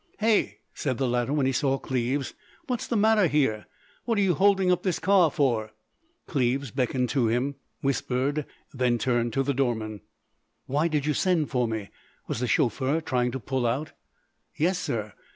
"Hey!" said the latter when he saw Cleves,—"what's the matter here? What are you holding up this car for?" Cleves beckoned him, whispered, then turned to the doorman. "Why did you send for me? Was the chauffeur trying to pull out?" "Yes, sir.